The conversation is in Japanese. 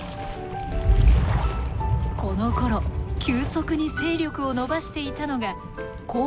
このころ急速に勢力を伸ばしていたのが光合成細菌。